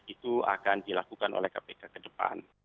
itu akan dilakukan oleh kpk ke depan